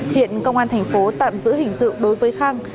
hiện công an thành phố tạm giữ hình sự đối với khang